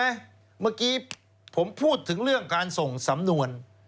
ท่านมีเวลาที่ผมพูดถึงเรื่องการส่งสำนวน